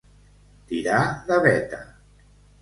Tirar de veta.